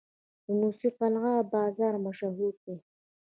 د موسی قلعه بازار مشهور دی